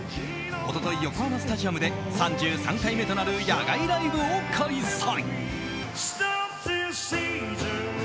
一昨日、横浜スタジアムで３３回目となる野外ライブを開催。